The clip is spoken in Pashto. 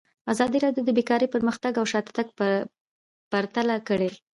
ازادي راډیو د بیکاري پرمختګ او شاتګ پرتله کړی.